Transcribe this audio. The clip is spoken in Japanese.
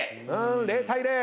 ０対０。